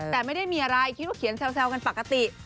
แต่ไม่ได้มีอะไรคิดว่าเขียนแซวกันปกติ